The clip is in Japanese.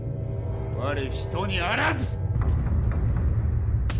我、人にあらず！